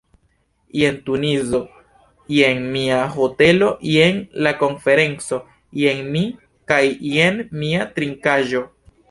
Jen Tunizo, jen mia hotelo, jen la konferenco, jen mi kaj jen mia trinkaĵo.